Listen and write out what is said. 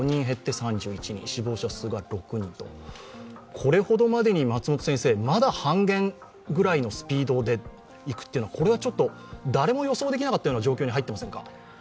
これほどまでに、まだ半減ぐらいのスピードでいくというのはこれは誰も予想できなかった状況に入っていませんか。